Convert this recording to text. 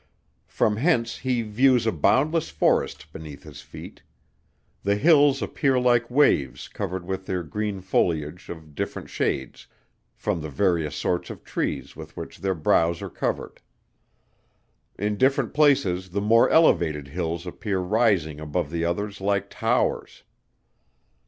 From hence he views a boundless forest beneath his feet. The hills appear like waves covered with their green foliage of different shades, from the various sorts of trees with which their brows are covered. In different places the more elevated hills appear rising above the others like towers.